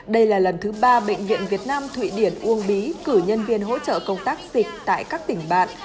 đây là lần thứ ba bệnh viện việt nam thụy điển uông bí cử nhân viên hỗ trợ công tác dịch tại các tỉnh bạn